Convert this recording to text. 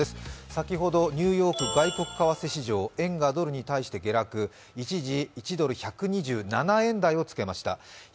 先ほどニューヨーク外国為替市場、円がドルに対して下落、一時、１ドル＝１２７円台をつけました。